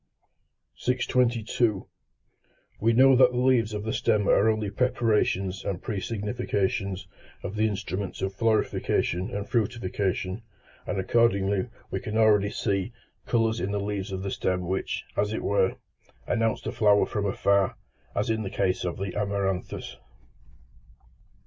622. We know that the leaves of the stem are only preparations and pre significations of the instruments of florification and fructification, and accordingly we can already see colours in the leaves of the stem which, as it were, announce the flower from afar, as is the case in the amaranthus.